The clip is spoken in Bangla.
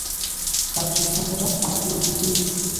কারণ, সিদ্ধানটা আমাকে নিতেই হতো!